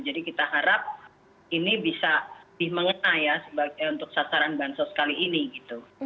jadi kita harap ini bisa dimengenai ya untuk sasaran bansos kali ini gitu